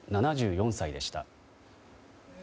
７４歳でした。